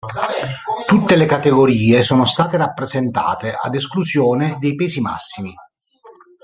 Tutte le categorie sono state rappresentate ad esclusione dei pesi massimi.